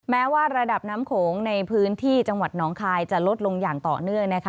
แม้ว่าระดับน้ำโขงในพื้นที่จังหวัดหนองคายจะลดลงอย่างต่อเนื่องนะคะ